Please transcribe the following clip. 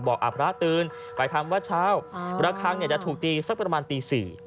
พระตื่นไปทำวัดเช้าระคังจะถูกตีสักประมาณตี๔